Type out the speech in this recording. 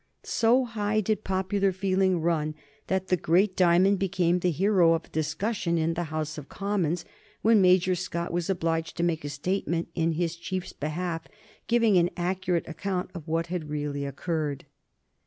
So high did popular feeling run that the great diamond became the hero of a discussion in the House of Commons, when Major Scott was obliged to make a statement in his chief's behalf giving an accurate account of what had really occurred.